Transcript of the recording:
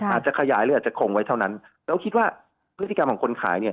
อาจจะขยายหรืออาจจะคงไว้เท่านั้นแล้วคิดว่าพฤติกรรมของคนขายเนี่ย